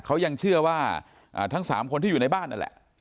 เขายังเชื่อว่าทั้ง๓คนที่อยู่ในบ้านนั่นแหละ